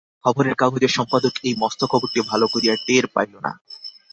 খবরের কাগজের সম্পাদক এই মস্ত খবরটি ভালো করিয়া টের পাইল না।